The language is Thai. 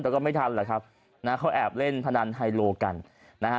แต่ก็ไม่ทันแหละครับนะฮะเขาแอบเล่นพนันไฮโลกันนะฮะ